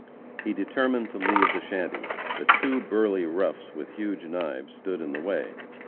He determined to leave the shanty, but two burly roughs, with huge knives, stood in the way.